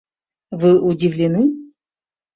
Вы удивлены?